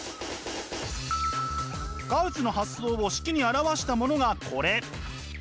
ガウスの発想を式に表したものがこれ！